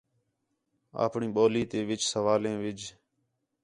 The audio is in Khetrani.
آپݨی ٻولی تے وِچ سوالیں وِڄ